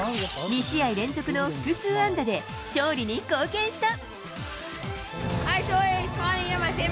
２試合連続の複数安打で、勝利に貢献した。